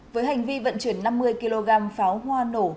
với hành vi vận chuyển năm mươi kg pháo hoa nổ